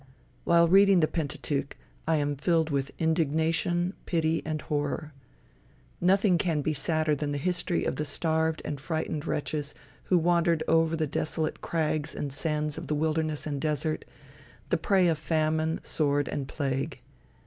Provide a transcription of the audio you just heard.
While reading the Pentateuch, I am filled with indignation, pity and horror. Nothing can be sadder than the history of the starved and frightened wretches who wandered over the desolate crags and sands of wilderness and desert, the prey of famine, sword, and plague.